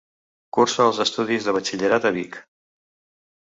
Cursa els estudis de Batxillerat a Vic.